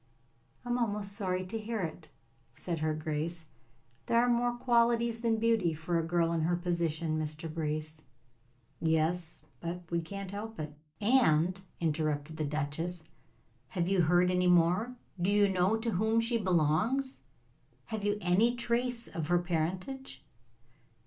"I am almost sorry to hear it," said her grace. "There are more qualities than beauty for a girl in her position, Mr. Brace." "Yes; but we can't help it." "And," interrupted the duchess, "have you heard any more? Do you know to whom she belongs? Have you any trace of her parentage?"